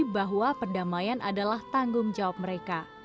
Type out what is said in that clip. bahwa perdamaian adalah tanggung jawab mereka